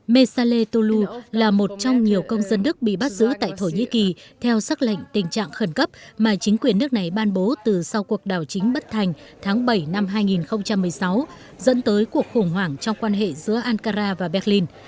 mesale tou là một trong nhiều công dân đức bị bắt giữ tại thổ nhĩ kỳ theo sắc lệnh tình trạng khẩn cấp mà chính quyền nước này ban bố từ sau cuộc đảo chính bất thành tháng bảy năm hai nghìn một mươi sáu dẫn tới cuộc khủng hoảng trong quan hệ giữa ankara và berlin